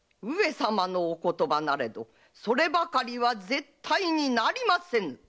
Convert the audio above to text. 上様のお言葉なれどそればかりは絶対になりませぬ！